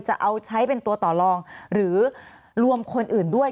จะเอาใช้เป็นตัวต่อลองหรือรวมคนอื่นด้วย